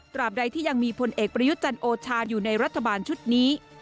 บใดที่ยังมีพลเอกประยุทธ์จันโอชาอยู่ในรัฐบาลชุดนี้